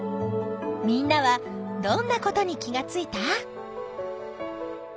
みんなはどんなことに気がついた？